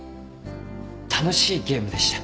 楽しいゲームでした。